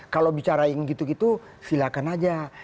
kalau bicara yang gitu gitu silakan aja